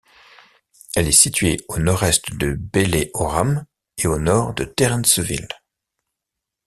Elle est située au nord-est de Belleoram et au nord de Terrenceville.